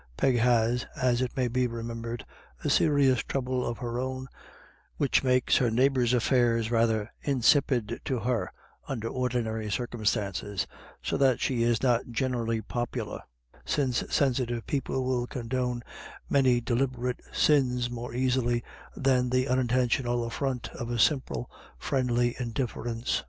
Peg has, as it may be remembered, a serious trouble of her own, which makes her neigh bours' affairs rather insipid to her under ordinary circumstances, so that she is not generally popular, since sensitive people will condone many deliberate sins more easily than the unintentional affront of a simple friendly indifference.